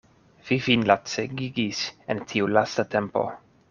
Vi vin lacegigis en tiu lasta tempo.